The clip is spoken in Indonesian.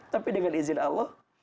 tapi dengan izin allah